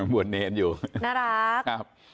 บวนเนรอยู่น่ารัก